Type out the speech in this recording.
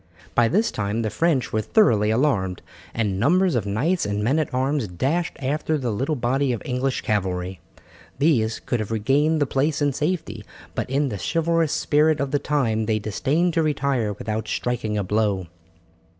By this time the French were thoroughly alarmed, and numbers of knights and men at arms dashed after the little body of English cavalry. These could have regained the place in safety, but in the chivalrous spirit of the time they disdained to retire without striking a blow.